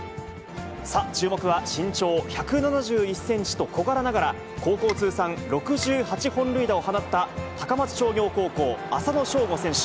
さあ、注目は、身長１７１センチと小柄ながら、高校通算６８本塁打を放った高松商業高校、浅野翔吾選手。